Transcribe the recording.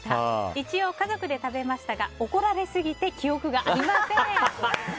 一応、家族で食べましたが怒られすぎて記憶がありません。